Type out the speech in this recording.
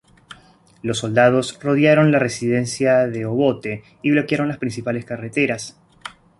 Los soldados rodearon la residencia de Obote y bloquearon las principales carreteras.